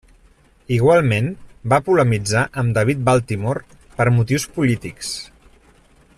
Igualment va polemitzar amb David Baltimore per motius polítics.